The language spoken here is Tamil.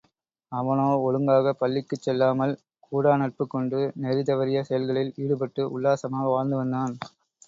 அவனோ ஒழுங்காகப் பள்ளிக்குச் செல்லாமல் கூடாநட்புக் கொண்டு, நெறிதவறிய செயல்களில் ஈடுபட்டு, உல்லாசமாக வாழ்ந்துவந்தான்.